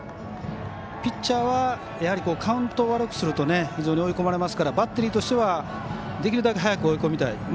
ピッチャーはカウントを悪くすると追い込まれますからバッテリーとしてはできるだけ早く追い込みたい。